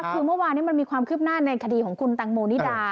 คือเมื่อวานนี้มันมีความคืบหน้าในคดีของคุณตังโมนิดา